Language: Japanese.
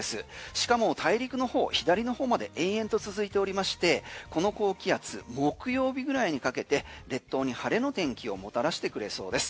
しかも大陸の方、左の方まで延々と続いておりましてこの高気圧木曜日ぐらいにかけて列島に晴れの天気をもたらしてくれそうです。